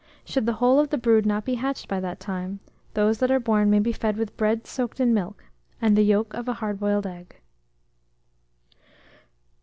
Should the whole of the brood not be hatched by that time, those that are born may be fed with bread soaked in milk, and the yolk of a hard boiled egg.